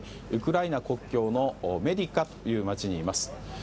ウクライナ国境のメディカという街にいます。